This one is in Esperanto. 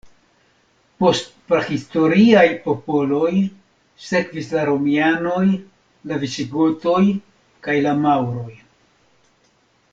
Post prahistoriaj popoloj sekvis la Romianoj, la Visigotoj kaj la Maŭroj.